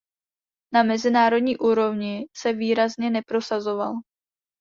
Na mezinárodní úrovni se výrazně neprosazoval.